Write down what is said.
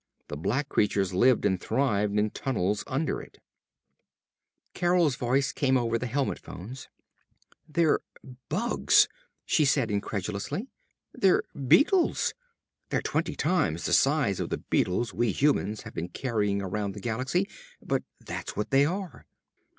The black creatures lived and thrived in tunnels under it. Carol's voice came over the helmet phones. "They're bugs!" she said incredulously. "_They're beetles! They're twenty times the size of the beetles we humans have been carrying around the galaxy, but that's what they are!